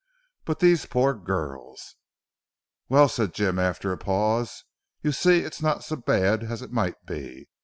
But these poor girls." "Well," said Jim after a pause, "you see it's not so bad as it might be.